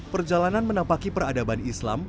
perjalanan menapaki peradaban islam